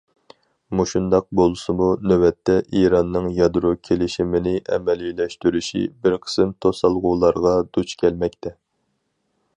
مۇشۇنداق بولسىمۇ، نۆۋەتتە ئىراننىڭ يادرو كېلىشىمىنى ئەمەلىيلەشتۈرۈشى بىر قىسىم توسالغۇلارغا دۇچ كەلمەكتە.